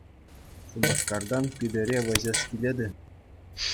Шупашкартан Питӗре вӗҫес килет-и?